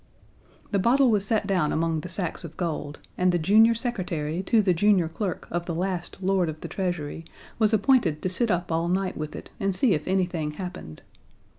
The bottle was set down among the sacks of gold, and the junior secretary to the junior clerk of the last Lord of the Treasury was appointed to sit up all night with it and see if anything happened.